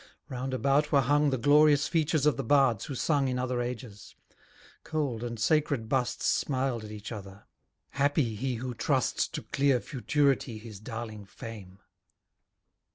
Round about were hung The glorious features of the bards who sung In other ages cold and sacred busts Smiled at each other. Happy he who trusts To clear Futurity his darling fame!